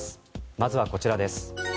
まずはこちらです。